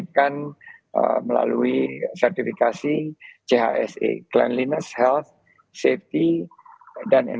terlalu multimedia secara terhadap keamanan